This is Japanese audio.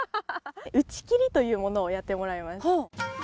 「打切り」というものをやってもらいます。